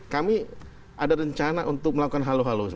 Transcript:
kami ada rencana untuk melakukan halo halus